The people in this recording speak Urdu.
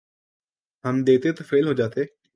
ہم دیتے تو فیل ہو جاتے